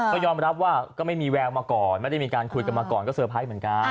ก็ยอมรับว่าก็ไม่มีแววมาก่อนไม่ได้มีการคุยกันมาก่อนก็เตอร์ไพรส์เหมือนกัน